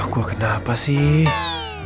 kok kenapa sih